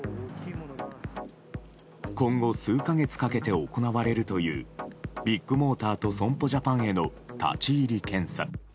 今後数か月かけて行われるというビッグモーターと損保ジャパンへの立ち入り検査。